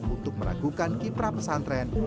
untuk meragukan kiprah pesantren